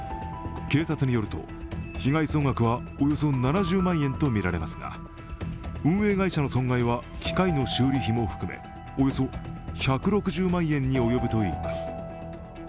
警察によると、被害総額はおよそ７０万円とみられますが、運営会社の損害は機械の修理費も含めおよそ１６０万円に及ぶといいます。